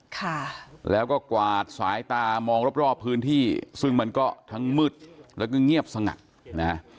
ค่ะแล้วก็กวาดสายตามองรอบรอบพื้นที่ซึ่งมันก็ทั้งมืดแล้วก็เงียบสงัดนะฮะ